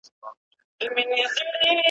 پوهېږمه په ځان د لېونو کانه راکېږي `